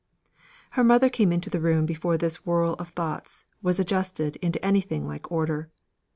Her mother came into the room before this whirl of thoughts was adjusted into anything like order.